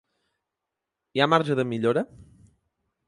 Hi ha marge de millora?